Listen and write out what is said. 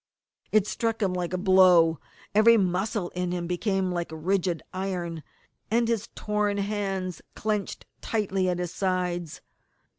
It struck him like a blow. Every muscle in him became like rigid iron, and his torn hands clenched tightly at his sides.